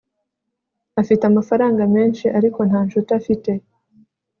afite amafaranga menshi, ariko nta nshuti afite